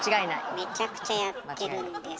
めちゃくちゃやってるんです。